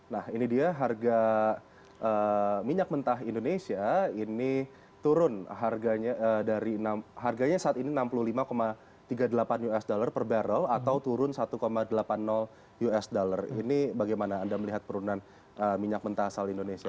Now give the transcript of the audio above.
nah ini dia harga minyak mentah indonesia ini turun harganya dari harganya saat ini enam puluh lima tiga puluh delapan usd per barrel atau turun satu delapan puluh usd ini bagaimana anda melihat penurunan minyak mentah asal indonesia